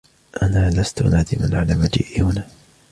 أنا لست نادماً على مجيئي هنا.